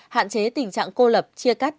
hạn chế tình trạng cô lập chia cắt